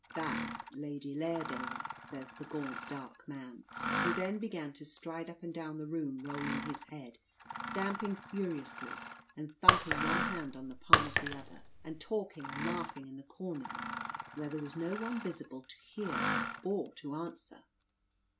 "That's Lady Lairdale," says the gaunt dark man, who then began to stride up and down the room rolling his head, stamping furiously, and thumping one hand on the palm of the other, and talking and laughing in the corners, where there was no one visible to hear or to answer.